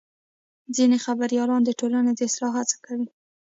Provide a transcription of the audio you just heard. ځینې خبریالان د ټولنې د اصلاح هڅه کوي.